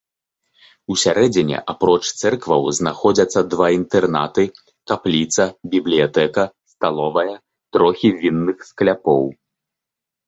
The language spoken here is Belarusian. Усярэдзіне апроч цэркваў знаходзяцца два інтэрнаты, капліца, бібліятэка, сталовая, трохі вінных скляпоў.